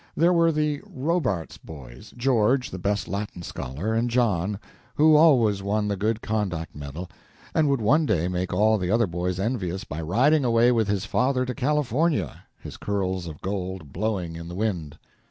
There were the Robards boys George, the best Latin scholar, and John, who always won the good conduct medal, and would one day make all the other boys envious by riding away with his father to California, his curls of gold blowing in the wind.